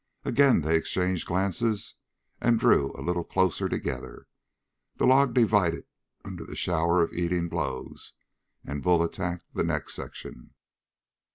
Again they exchanged glances and drew a little closer together. The log divided under the shower of eating blows, and Bull attacked the next section.